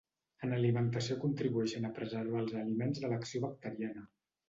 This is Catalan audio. En alimentació contribueixen a preservar els aliments de l'acció bacteriana.